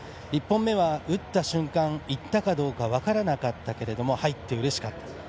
１本目は、打った瞬間いったかどうか分からなかったけど入ってうれしかった。